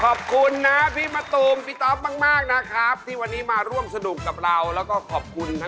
เออฯเหมือนเป็นเกียราที่ออกอำลังกายแบบสตรีท